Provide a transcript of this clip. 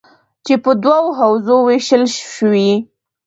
چې په دوو حوزو ویشل شوي: